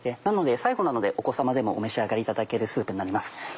最後なのでお子様でもお召し上がりいただけるスープになります。